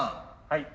はい。